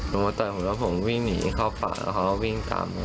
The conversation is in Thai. แล้วผมวิ่งหนีเข้าฝากแล้วคุณตามผม